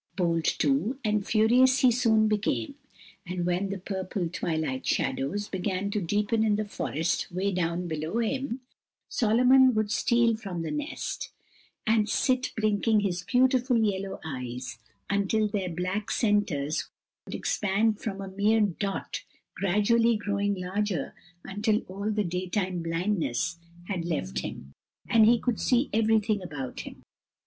Bold too and fearless he soon became, and when the purple twilight shadows began to deepen in the forest away down below him, Solomon would steal from the nest and sit blinking his beautiful yellow eyes until their black centers would expand from a mere dot, gradually growing larger, until all the daytime blindness had left him, and he could see everything about him.